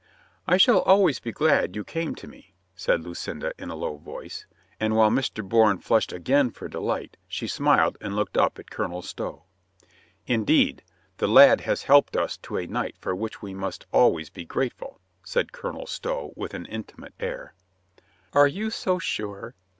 "I shall always be glad you came to me," said Lucinda in a low voice, and while Mr. Bourne flushed again for delight she smiled and looked up at Colonel Stow. "Indeed, the lad has helped us to a night for which we must always be grateful," said Colonel Stow with an intimate air. "Are you so sure?"